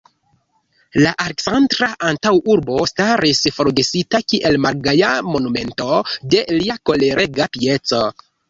La Aleksandra antaŭurbo staris forgesita kiel malgaja monumento de lia kolerega pieco.